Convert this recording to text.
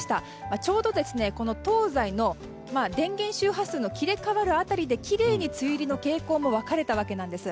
ちょうど東西の電源周波数の切り替わる辺りできれいに梅雨入りの傾向も分かれたわけです。